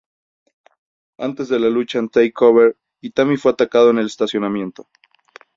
Antes de la lucha en "TakeOver", Itami fue atacado en el estacionamiento.